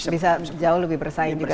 bisa jauh lebih bersaing juga